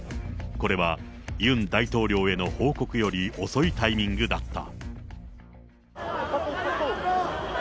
これはユン大統領への報告より遅いタイミングだった。